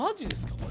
これ。